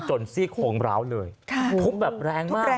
ซี่โครงร้าวเลยทุบแบบแรงมาก